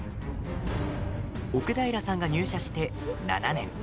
奥平さんが入社して７年。